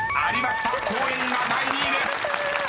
「公園」が第２位です］